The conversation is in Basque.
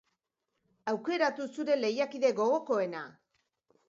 Aukeratu zure lehiakide gogokoena!